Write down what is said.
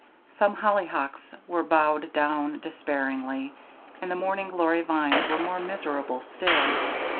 Some hollyhocks were bowed down despairingly, and the morning glory vines were more miserable still.